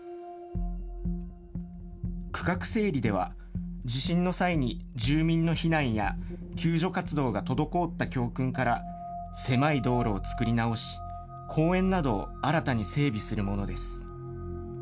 区画整理では、地震の際に住民の避難や救助活動が滞った教訓から、狭い道路を作り直し、公園などを新たに整備するものです。